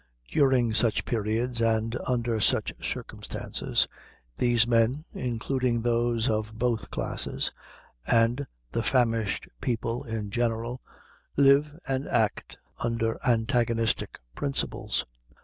During such periods, and under such circumstances, these men including those of both classes and the famished people, in general, live and act under antagonistic principles.